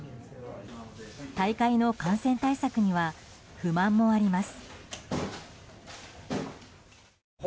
大会の感染対策には不満もあります。